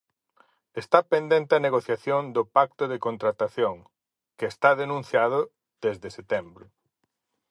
Está pendente a negociación do pacto de contratación, que está denunciado desde setembro.